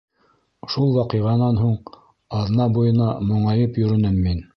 Шул ваҡиғанан һуң, аҙна буйына моңайып йөрөнөм мин.